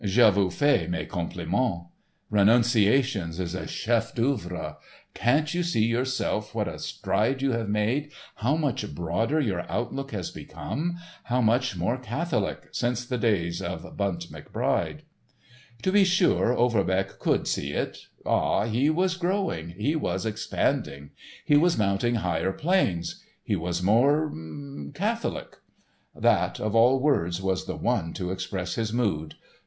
Je vous fais mes compliments. 'Renunciations' is a chef d'oeuvre. Can't you see yourself what a stride you have made, how much broader your outlook has become, how much more catholic, since the days of 'Bunt McBride'?" To be sure, Overbeck could see it. Ah, he was growing, he was expanding. He was mounting higher planes. He was more—catholic. That, of all words, was the one to express his mood.